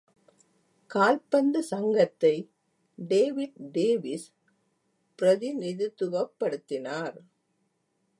கால்பந்து சங்கத்தை David Davis பிரதிநிதித்துவப்படுத்தினார்.